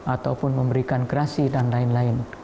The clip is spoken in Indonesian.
ataupun memberikan gerasi dan lain lain